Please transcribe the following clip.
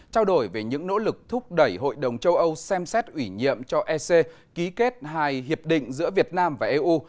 trao đổi về những nỗ lực thúc đẩy hội đồng châu âu xem xét ủy nhiệm cho ec ký kết hai hiệp định giữa việt nam và eu